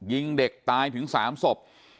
ยิงเด็กตายถึง๓ศพ